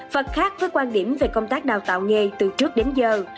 và khác với quan điểm về công tác đào tạo nghề từ trước đến giờ